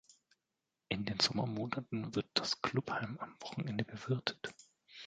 In den Sommermonaten wird das Clubheim an Wochenenden bewirtet.